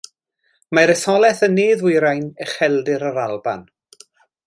Mae'r etholaeth yn ne-ddwyrain Ucheldir yr Alban.